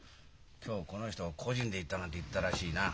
今日この人「個人で行った」なんて言ったらしいな？